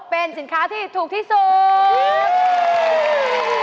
เป็นสินค้าที่ถูกที่สุด